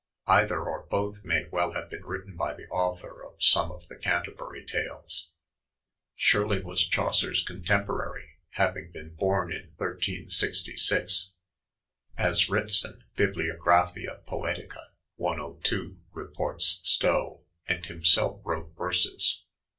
Either or both may well have been written by the author of some of the Canterbury Talet. " Shirley was Chaucer's contemporary, having been born in 1366 (as Bitson, Bibl. Poet. 102, reports Stowe), snd himself wrote verses.